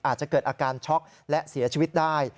อาจจะเกิดอาการช็อกและเสียชีวิตได้